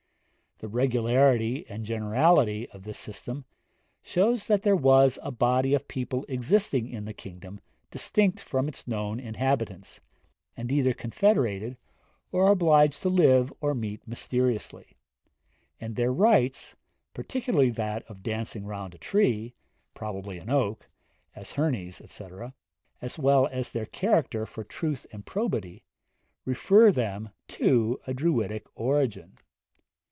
The regularity and generality of this system shows that there was a body of people existing in the kingdom distinct from its known inhabitants, and either confederated, or obliged to live or meet mysteriously; and their rites, particularly that of dancing round a tree, probably an oak, as Herne's, etc., as well as their character for truth and probity, refer them to a Druidic origin.